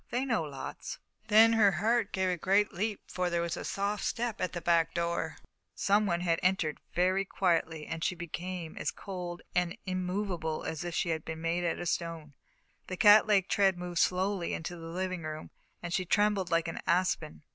"They know lots." Then her heart gave a great leap, for there was a soft step at the back door. Some one entered very quietly, and she became as cold and immovable as if she had been made of stone. The catlike tread moved slowly into the living room, and she trembled like an aspen.